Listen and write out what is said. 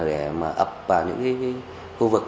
để ập vào những khu vực